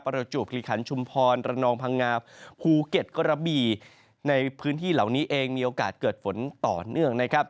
ประจวบคิริขันชุมพรระนองพังงาภูเก็ตกระบี่ในพื้นที่เหล่านี้เองมีโอกาสเกิดฝนต่อเนื่องนะครับ